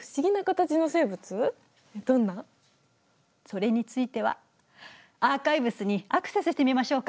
それについてはアーカイブスにアクセスしてみましょうか。